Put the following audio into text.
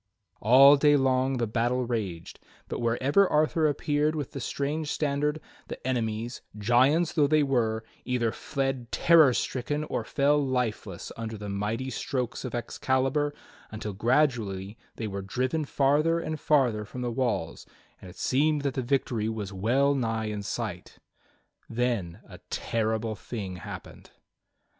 All day long the battle raged, but wherever Arthur appeared with the strange standard, the enemies, giants though they were, either fled terror stricken or fell lifeless under the mighty strokes of Excalibur, until gradually they were driven farther and farther from the walls, and it seemed that the victory was well nigh in sight. Then a terrible thing happened.